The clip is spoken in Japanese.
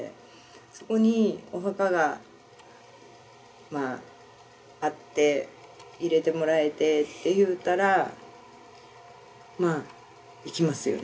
そこにお墓があって入れてもらえてっていうたらまあ行きますよね